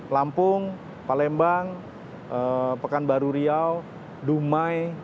lampung palembang pekanbaru riau dumai